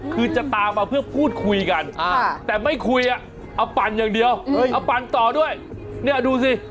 คือจะตามมาเพื่อพูดคุยกันแต่ไม่คุยอ่ะเอาปั่นอย่างเดียวเอาปั่นต่อด้วยเนี่ยดูสิ